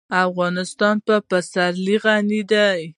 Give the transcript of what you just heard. افغانستان په پسرلی غني دی.